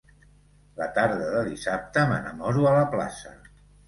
La tarda de dissabte m'enamoro a la plaça.